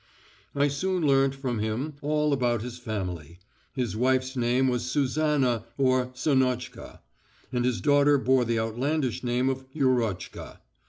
I soon learnt from him all about his family. His wife's name was Susannah or Sannochka, and his daughter bore the outlandish name of Yurochka.